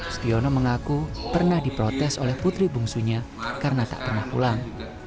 stiono mengaku pernah diprotes oleh putri bungsunya karena tak pernah pulang